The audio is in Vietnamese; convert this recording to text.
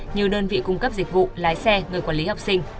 như đơn vị cung cấp dịch vụ lái xe người quản lý học sinh